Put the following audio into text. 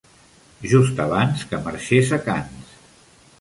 Just abans que marxés a Cannes.